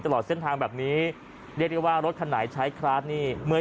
ตลอดเส้นทางแบบนี้เรียกได้ว่ารถคันไหนใช้คลาสนี่เมื่อ